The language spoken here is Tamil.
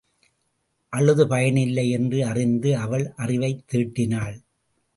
அழுது பயன் இல்லை என்று அறிந்து அவள் அறிவைத் தீட்டினாள்.